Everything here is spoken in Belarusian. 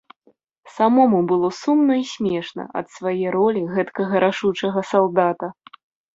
Самому было сумна і смешна ад свае ролі гэткага рашучага салдата.